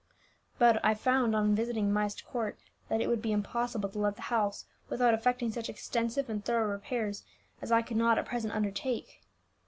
But I found, on visiting Myst Court, that it would be impossible to let the house without effecting such extensive and thorough repairs as I could not at present undertake.